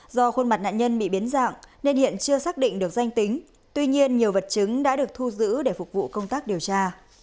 do khuôn mặt nạn nhân bị biến dạng nên hiện chưa xác định được danh tính tuy nhiên nhiều vật chứng đã được thu giữ để phục vụ công tác điều tra